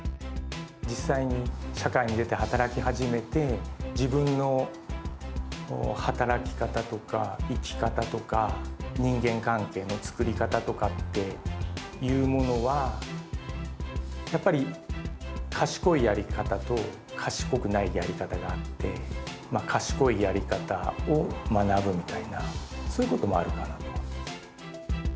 実際に社会に出て働き始めて自分の働き方とか生き方とか人間関係の作り方とかっていうものは、やっぱり賢いやり方と賢くないやり方があって賢いやり方を学ぶみたいなそういうこともあるかなと。